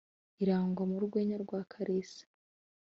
iragwa mu rweya rwa kalisa